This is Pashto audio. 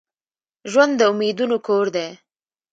ژوند د امیدونو کور دي.